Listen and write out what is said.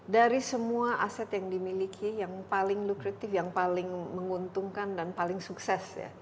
dari semua aset yang dimiliki yang paling lukritif yang paling menguntungkan dan paling sukses ya